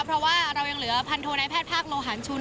เพราะว่าเรายังเหลือพันโทนายแพทย์ภาคโลหารชุน